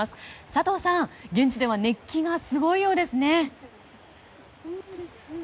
佐藤さん、現地では熱気がすごいようですね。